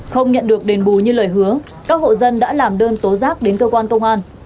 không nhận được đền bù như lời hứa các hộ dân đã làm đơn tố giác đến cơ quan công an